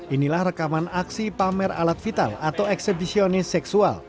inilah rekaman aksi pamer alat vital atau eksebisionis seksual